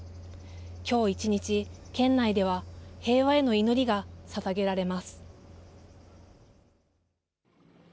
きょう１日、県内では平和への祈りがささげられます。